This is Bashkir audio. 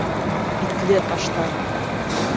Итле аштар